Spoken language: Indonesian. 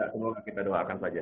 semoga kita doakan saja